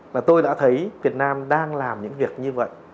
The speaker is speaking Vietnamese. và tôi đã thấy việt nam đang làm những việc như vậy